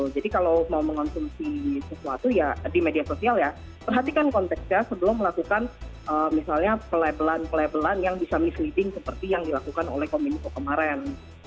jadi kalau mau mengonsumsi sesuatu ya di media sosial ya perhatikan konteksnya sebelum melakukan misalnya pelabelan pelabelan yang bisa misleading seperti yang dilakukan oleh komuniko kemarin